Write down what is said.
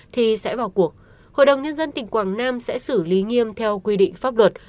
thì sẽ vào cuộc hội đồng nhân dân tỉnh quảng nam sẽ xử lý nghiêm theo quy định pháp luật